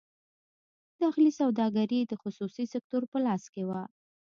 داخلي سوداګري د خصوصي سکتور په لاس کې وه.